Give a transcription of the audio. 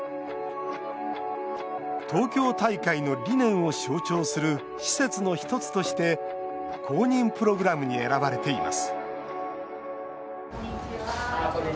東京大会の理念を象徴する施設の１つとして公認プログラムに選ばれています